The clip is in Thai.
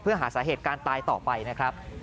เพื่อหาสาเหตุการณ์ตายต่อไปนะครับ